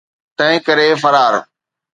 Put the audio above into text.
تنهن ڪري فرار.